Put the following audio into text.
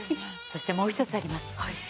そしてもう一つあります。